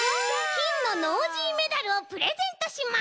きんのノージーメダルをプレゼントします！